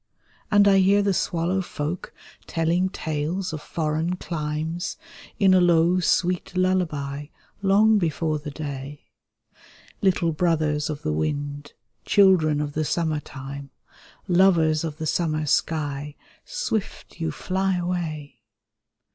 And I hear the swallow folk telling tales of foreign climes, In a low sweet lullaby long before the day. THE SAD YEARS THE SWALLOW {Continued) Little brothers of the wind, children of the summer time, Lovers of the summer sky, swift you fly away